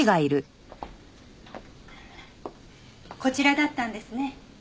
こちらだったんですね。